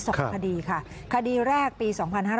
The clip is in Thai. หน้านี้๒คดีค่ะคดีแรกปี๒๕๕๒